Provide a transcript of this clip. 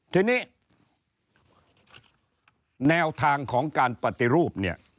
ทีนี้แนวทางของการปฏิรูป